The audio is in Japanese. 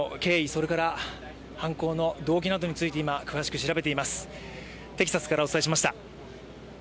それから、犯行の動機などについて今詳しく調べています。